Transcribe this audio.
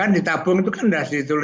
bahkan ditabung itu kan tidak ditulis juga